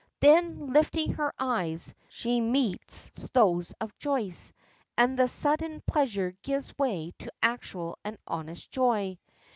Then, lifting her eyes, she meets those of Joyce, and the sudden pleasure gives way to actual and honest joy.